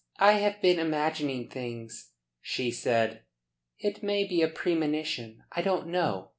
"I have been imagining things," she said. "It may be a premonition, I don't know.